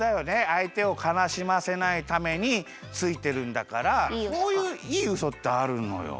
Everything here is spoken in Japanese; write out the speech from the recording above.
あいてをかなしませないためについてるんだからそういういいウソってあるのよ。